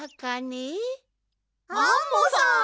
アンモさん！